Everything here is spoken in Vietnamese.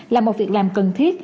là một việc làm cần thiết